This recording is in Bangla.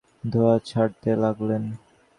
আফসার সাহেব সিগারেট ধরিয়ে ধোঁয়া ছাড়তে লাগলেন।